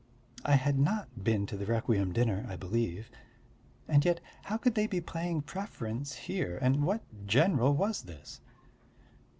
I had not been to the requiem dinner, I believe. And yet how could they be playing preference here and what general was this?